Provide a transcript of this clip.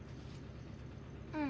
うん。